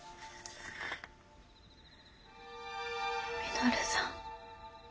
稔さん。